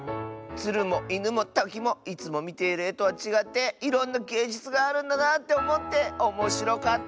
つるもいぬもたきもいつもみているえとはちがっていろんなげいじゅつがあるんだなっておもっておもしろかった！